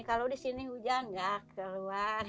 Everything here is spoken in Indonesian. kalau di sini hujan nggak keluar